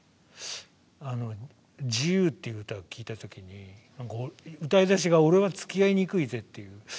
あの「自由」っていう歌を聴いた時に歌い出しが「俺はつきあいにくいぜ」っていう。